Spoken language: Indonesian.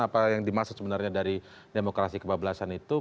apa yang dimaksud sebenarnya dari demokrasi kebablasan itu